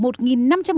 một tỷ đồng